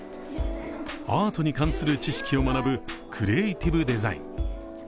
アートに関する知識を学ぶクリエイティブデザイン。